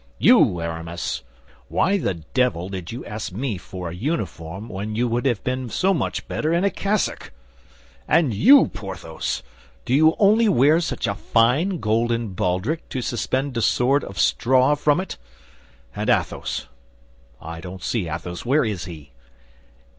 You, Aramis, why the devil did you ask me for a uniform when you would have been so much better in a cassock? And you, Porthos, do you only wear such a fine golden baldric to suspend a sword of straw from it? And Athos—I don't see Athos. Where is he?"